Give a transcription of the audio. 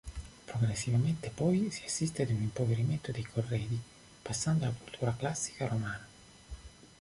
Progressivamente, poi, si assiste ad un impoverimento dei corredi passando alla cultura classica-romana.